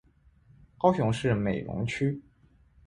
高雄市美浓区